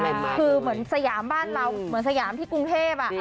คือเหมือนสยามบ้านเราเหมือนสยามที่กรุงเทพ